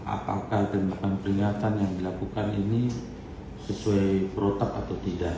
apakah tindakan peringatan yang dilakukan ini sesuai protap atau tidak